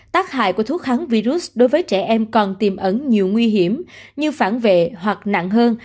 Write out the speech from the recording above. tác hại của thuốc kháng virus đối với trẻ em còn tiềm ẩn nhiều nguy hiểm như phản vệ hoặc nặng hơn